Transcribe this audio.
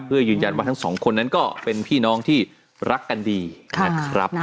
เพื่อยืนยันว่าทั้งสองคนนั้นก็เป็นพี่น้องที่รักกันดีนะครับ